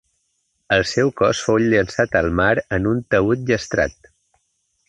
El seu cos fou llançat al mar en un taüt llastrat.